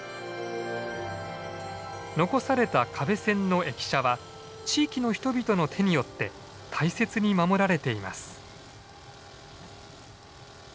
残された可部線の駅舎は地域の人々の手によって大切に守られています。